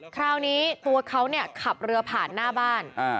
คราวนี้ตัวเขาเนี่ยขับเรือผ่านหน้าบ้าน